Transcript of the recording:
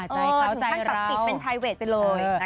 ถึงกับกิจเป็นไทเวทไปเลย